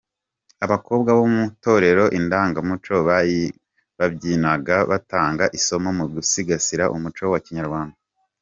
Abakobwa bo mu Itorero Indangamuco babyinaga banatanga isomo mu gusigasira umuco wa Kinyarwanda.